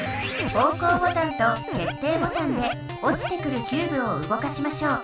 方向ボタンと決定ボタンでおちてくるキューブを動かしましょう。